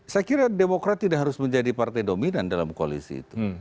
saya kira demokrat tidak harus menjadi partai dominan dalam koalisi itu